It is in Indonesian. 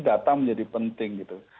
data menjadi penting gitu